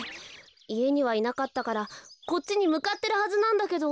いえにはいなかったからこっちにむかってるはずなんだけど。